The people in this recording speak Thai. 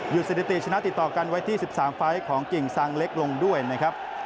สถิติชนะติดต่อกันไว้ที่๑๓ไฟล์ของกิ่งซังเล็กลงด้วยนะครับ